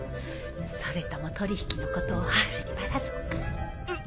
それとも取引のことをハウルにバラそうか？